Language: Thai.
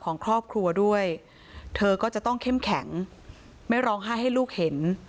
ของครอบครัวด้วยเธอก็จะต้องเข้มแข็งไม่ร้องไห้ให้ลูกเห็น